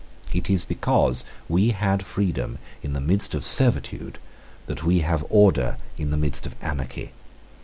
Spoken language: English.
It is because we had freedom in the midst of servitude that we have order in the midst of anarchy.